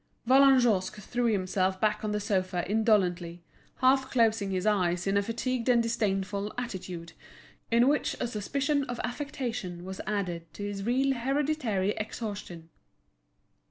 Vallagnosc threw himself back on the sofa indolently, half closing his eyes in a fatigued and disdainful attitude, in which a suspicion of affectation was added to his real hereditary exhaustion.